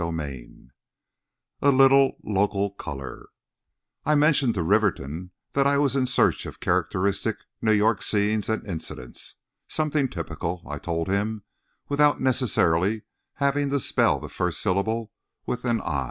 XXI A LITTLE LOCAL COLOUR I mentioned to Rivington that I was in search of characteristic New York scenes and incidents—something typical, I told him, without necessarily having to spell the first syllable with an "i."